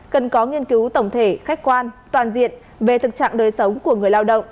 cần có nghiên cứu tổng thể khách quan toàn diện về thực trạng đời sống của người lao động